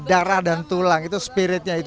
darah dan tulang itu spiritnya itu